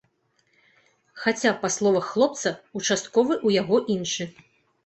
Хаця, па словах хлопца, участковы ў яго іншы.